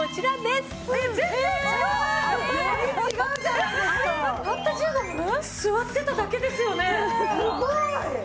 すごい！